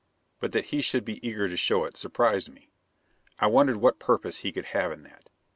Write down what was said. But that he should be eager to show it, surprised me. I wondered what purpose he could have in that.